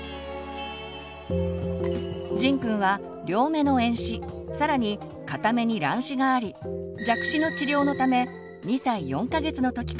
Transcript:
じんくんは両目の遠視更に片目に乱視があり弱視の治療のため２歳４か月の時からめがねをかけています。